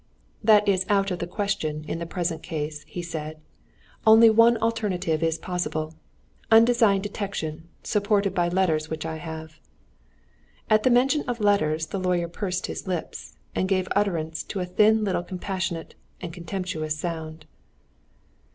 "That is out of the question in the present case," he said. "Only one alternative is possible: undesigned detection, supported by letters which I have." At the mention of letters the lawyer pursed up his lips, and gave utterance to a thin little compassionate and contemptuous sound.